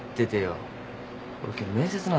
俺今日面接なんだわ。